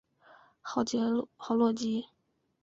豪洛吉。